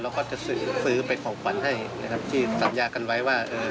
แล้วก็จะซื้อเป็นของขวัญให้ที่สัญญากันไว้ว่า